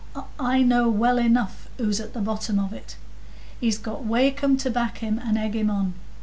I know well enough who's at the bottom of it; he's got Wakem to back him and egg him on.